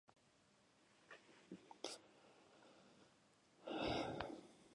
Antza denez, bonba aerosol batez eta material piroteknikoaz osatuta zegoen.